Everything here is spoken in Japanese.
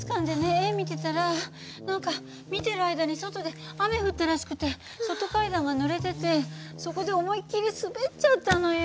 絵見てたら何か見てる間に外で雨降ったらしくて外階段がぬれててそこで思いっきり滑っちゃったのよ。